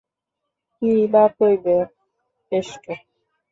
কিইবা কইবে কেষ্ট?